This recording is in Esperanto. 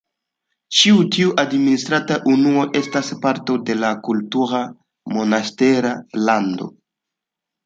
Ĉiuj tiuj administraj unuoj estas partoj de la kultura Monastera Lando.